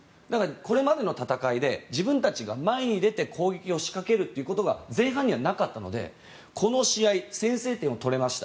これまでの戦いで自分たちが前に出て攻撃を仕掛けるというのが前半にはなかったのでこの試合、先制点を取れました。